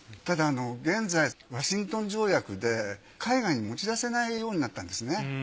ただ現在ワシントン条約で海外に持ち出せないようになったんですね。